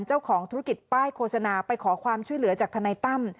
เจ้าของธุรกิจป้ายโฆษณาไปขอความช่วยเหลือจากทนายตั้ม